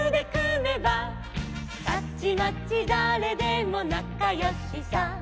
「たちまちだれでもなかよしさ」